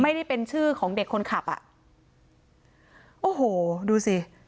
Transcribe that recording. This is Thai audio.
ไม่ได้เป็นชื่อของเด็กคนขับอ่ะโอ้โหดูสิ